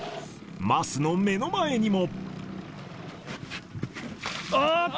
桝の目の前にも。